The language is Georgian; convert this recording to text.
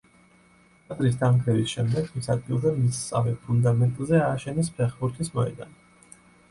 ტაძრის დანგრევის შემდეგ მის ადგილზე, მისსავე ფუნდამენტზე ააშენეს ფეხბურთის მოედანი.